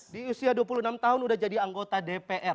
di usia dua puluh enam tahun udah jadi anggota dpr